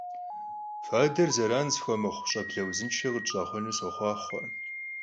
Fader zeran zıxuemıxhu ş'eble vuzınşşe khıtş'exhuenu soxhuaxhue!